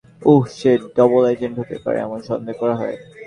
উহ, সে double agent হতে পারে এমন সন্দেহ করা হয়।